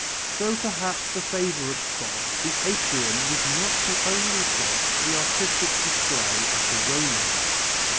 Though perhaps the favourite spot, the atrium was not the only place for the artistic display of the Romans.